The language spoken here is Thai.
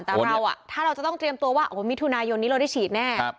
แต่เราถ้าเราจะต้องเตรียมตัวว่ามิถุนายนนี้เราได้ฉีดแน่